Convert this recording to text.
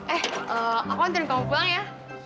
eh aku nanti nunggu kamu pulang ya